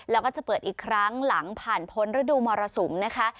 แล้วก็จะเปิดอีกครั้งหลังผ่านพ้นฤดูมรสุมนะคะ